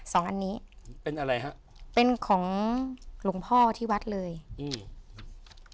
สองอันนี้เป็นอะไรฮะเป็นของหลวงพ่อที่วัดเลยอืม